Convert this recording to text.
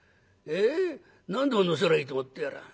ええ？何でも乗せりゃいいと思ってやらあ。